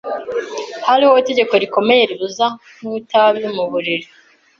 Hariho itegeko rikomeye ribuza kunywa itabi mu buriri.